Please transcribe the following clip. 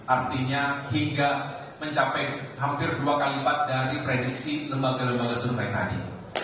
artinya hingga mencapai hampir dua kali lipat dari prediksi lembaga lembaga survei tadi